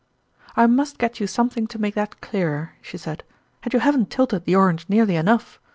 "I must get you something to make that ,0ttrtl) Cljeqtte. 81 clearer," she said ;" and you haven't tilted the orange nearly enough.